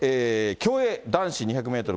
競泳男子２００メートル